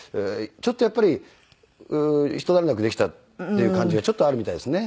やっぱり一段落できたっていう感じがちょっとあるみたいですね。